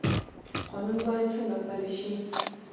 قانون باید څنګه پلی شي؟